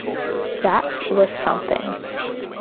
That was something.